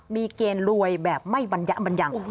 มีเกณฑ์รวยแบบไม่บรรยะบัญญัง